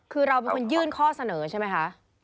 คือเราเป็นคนยื่นข้อเสนอใช่ไหมคะ